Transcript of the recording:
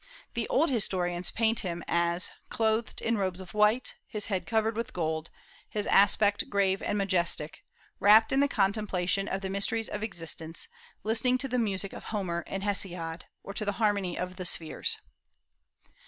The old historians paint him as "clothed in robes of white, his head covered with gold, his aspect grave and majestic, rapt in the contemplation of the mysteries of existence, listening to the music of Homer and Hesiod, or to the harmony of the spheres."